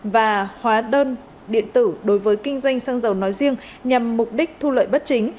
và hóa đơn điện tử đối với kinh doanh xăng dầu nói riêng nhằm mục đích thu lợi bất chính